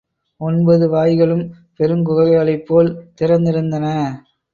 ஒன்பது வாய்களும் பெருங்குகைகளைப் போல் திறந்திருந்தன.